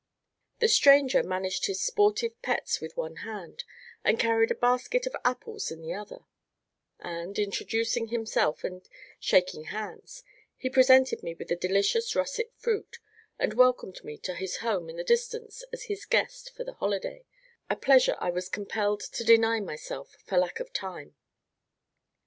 The stranger managed his sportive pets with one hand, and carried a basket of apples in the other; and, introducing himself and shaking hands, he presented me with the delicious russet fruit, and welcomed me to his home in the distance as his guest for the holiday, a pleasure I was compelled to deny myself, for lack of time.